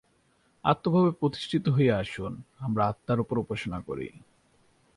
আত্মভাবে প্রতিষ্ঠিত হইয়া আসুন আমরা আত্মার উপাসনা করি।